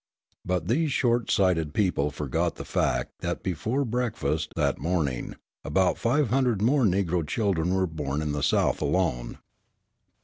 But these short sighted people forgot the fact that before breakfast that morning about five hundred more Negro children were born in the South alone.